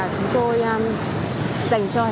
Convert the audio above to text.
chúng tôi dành cho